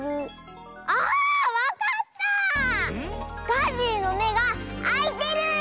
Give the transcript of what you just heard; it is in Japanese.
ガジリのめがあいてる！